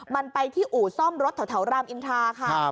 มันไปที่อู่ซ่อมรถแถวรามอินทราค่ะ